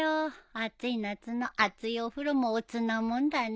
暑い夏の熱いお風呂も乙なもんだね。